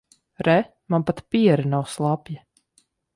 Re, man pat piere nav slapja.